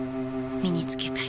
身につけたい。